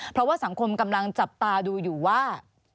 เพราะว่าสังคมกำลังจับตาดูอยู่ว่า